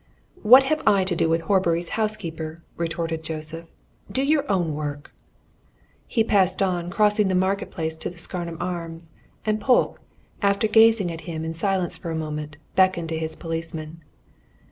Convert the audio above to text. "What have I to do with Horbury's housekeeper?" retorted Joseph. "Do your own work!" He passed on, crossing the Market Place to the Scarnham Arms, and Polke, after gazing at him in silence for a moment, beckoned to his policeman.